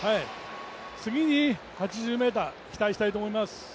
次に８０ｍ期待したいと思います。